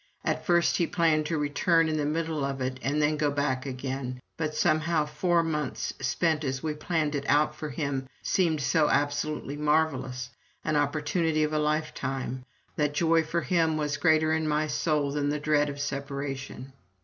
At first he planned to return in the middle of it and then go back again; but somehow four months spent as we planned it out for him seemed so absolutely marvelous, an opportunity of a lifetime, that joy for him was greater in my soul than the dread of a separation.